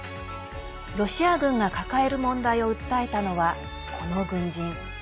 ロシア軍が抱える問題を訴えたのは、この軍人。